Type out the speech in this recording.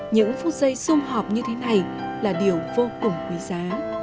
những phút giây xung họp như thế này là điều vô cùng quý giá